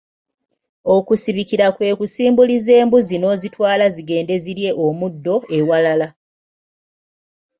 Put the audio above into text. Okusibikira kwe kusimbuliza embuzi n’ozitwala zigende zirye omuddo ewalala.